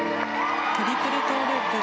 トリプルトウループ。